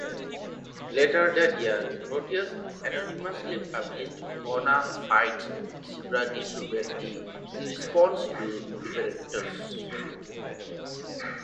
Later that year Grotius anonymously published "Bona Fides Sibrandi Lubberti" in response to Lubbertus.